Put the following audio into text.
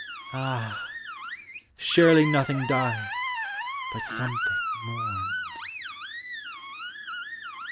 Ah! surely nothing dies but something mourns.